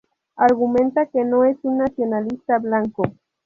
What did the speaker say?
Argumenta que no es un nacionalista blanco.